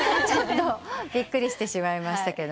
ちょっとびっくりしてしまいました。